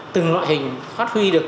từng loại hình phát huy được